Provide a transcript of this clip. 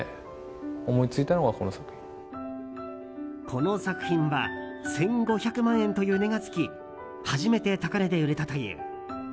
この作品は１５００万円という値がつき初めて高値で売れたという。